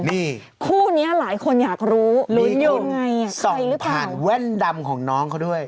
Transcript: นี่คู่นี้หลายคนอยากรู้ลุ้นอยู่ไงอ่ะใส่หรือผ่านแว่นดำของน้องเขาด้วย